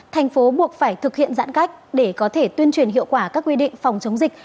thành phố buộc phải thực hiện giãn cách để có thể tuyên truyền hiệu quả các quy định phòng chống dịch